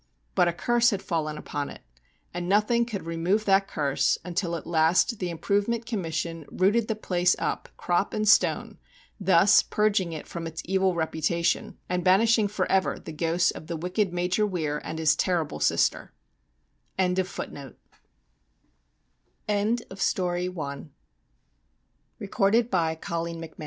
But a curse had fallen on it, and nothing could remove that curse, until at last the Improvement Commission rooted the place up, crop and stone, thus purging it from its evil reputation, and banishing for ever the ghosts of the wicked Major Weir and his terrible sister.